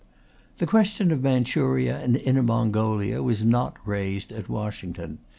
The question of Manchuria and Inner Mongolia was not raised at Washington.